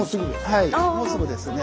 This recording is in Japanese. はいもうすぐですね。